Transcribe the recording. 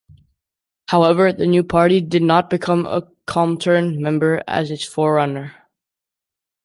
However, the new party did not become a ComIntern member as its forerunner.